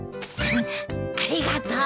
ありがとう。